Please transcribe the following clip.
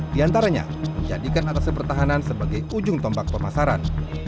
di antaranya menjadikan atasnya pertahanan sebagai ujung tombak pemasaran